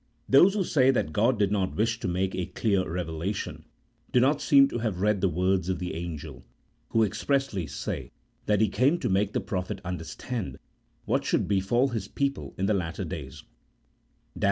Those who say that God did not wish to make a clear revelation, do not seem to have read the words of the angel, who expressly says that he came to make the prophet understand what should befall his people in the latter days (Dan.